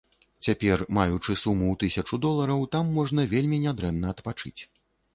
Цяпер маючы суму ў тысячу долараў там можна вельмі нядрэнна адпачыць.